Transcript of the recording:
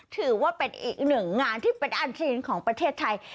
ถือว่าเป็นอีกหนึ่งงานที่เป็นอันทีนของประเทศไทย